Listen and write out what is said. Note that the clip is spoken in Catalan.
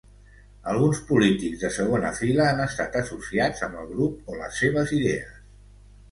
Alguns polítics de segona fila han estat associats amb el grup o les seves idees.